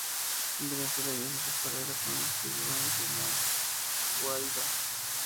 En Venezuela inicia su carrera con los Tiburones de La Guaira.